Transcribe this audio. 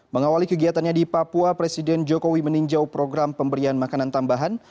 mengawali kegiatannya di papua presiden jokowi meninjau program pemberian makanan tambahan